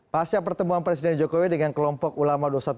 pasca pertemuan presiden jokowi dengan kelompok ulama dua ratus dua belas